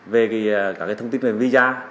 về cái thông tin về visa